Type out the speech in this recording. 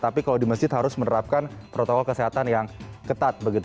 tapi kalau di masjid harus menerapkan protokol kesehatan yang ketat begitu